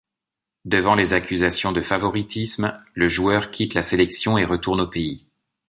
Devant les accusations de favoritisme, le joueur quitte la sélection et retourne au pays.